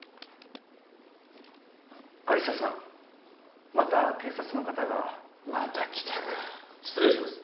亜理紗さんまた警察の方がまた来たか失礼します